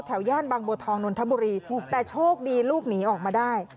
ย่านบางบัวทองนนทบุรีแต่โชคดีลูกหนีออกมาได้